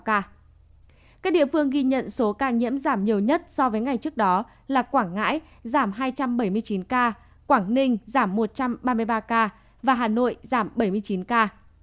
các địa phương ghi nhận số ca nhiễm giảm nhiều nhất so với ngày trước đó là quảng ngãi giảm hai trăm bảy mươi chín ca quảng ninh giảm một trăm ba mươi ba ca và hà nội giảm bảy mươi chín ca